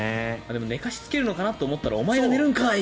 でも寝かしつけるのかなと思ったらお前が寝るんかい！